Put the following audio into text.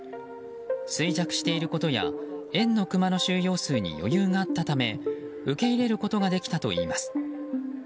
衰弱していることや園のクマの収容数に余裕があったため受け入れることができたといいます。